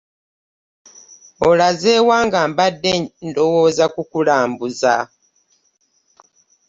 Olaze wa nga mbadde ndowooza kukulambuza?